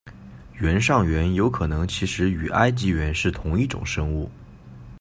原上猿有可能其实与埃及猿是同一种生物。